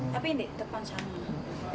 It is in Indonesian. tapi ini depan sana